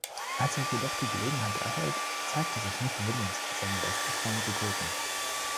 Als er jedoch die Gelegenheit erhält, zeigt er sich nicht willens, seinen besten Freund zu töten.